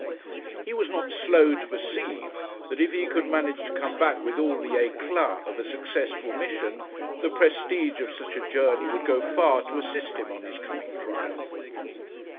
He was not slow to perceive that if he could manage to come back with all the éclat of a successful mission, the prestige of such a journey would go far to assist him on his coming trial.